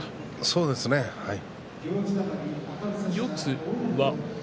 そうですね、はい。